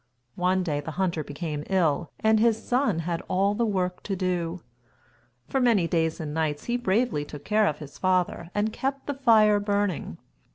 One day the hunter became ill, and his son had all the work to do. For many days and nights he bravely took care of his father and kept the fire burning.